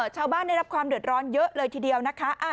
ได้รับความเดือดร้อนเยอะเลยทีเดียวนะคะ